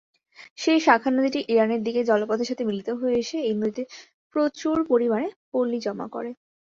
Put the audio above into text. সেই শাখা নদীটি ইরানের দিকের জলপথের সাথে মিলিত হয়ে এসে, এই নদীটিতে প্রচুর পরিমাণে পলি জমা করে।